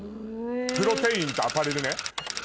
プロテインとアパレルね。